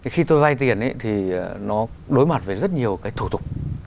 khi tôi vay tiền thì nó đối mặt với rất nhiều cái thủ tục